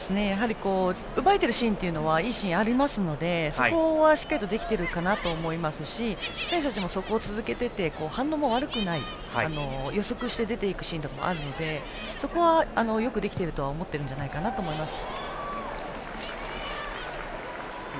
奪えているシーンはいいシーンがありますのでそこはしっかりとできているかなと思いますし選手たちもそこを続けて反応も悪くなく予測して出て行くシーンとかもあるのでそこはよくできているとは思っているんじゃないかと思います。